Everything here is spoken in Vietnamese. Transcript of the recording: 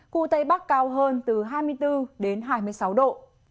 khu tây bắc cao hơn từ hai mươi bốn đến hai mươi sáu độ